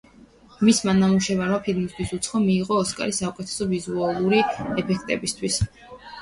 მისმა ნამუშევარმა ფილმისთვის „უცხო“ მიიღო ოსკარი საუკეთესო ვიზუალური ეფექტებისთვის.